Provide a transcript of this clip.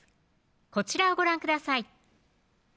こちらをご覧ください